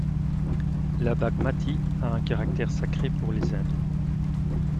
La Bagmati a un caractère sacré pour les hindous.